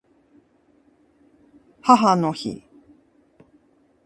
母の日